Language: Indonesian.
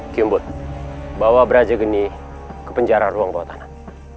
kiumbun bawa brajagini ke penjara ruang bawah tanah